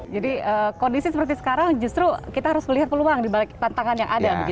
jadi kondisi seperti sekarang justru kita harus melihat peluang dibalik tantangan yang ada